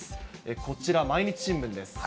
こちら毎日新聞です。